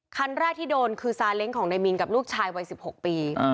คันแรกที่โดนคือซาเล้งของนายมินกับลูกชายวัย๑๖ปี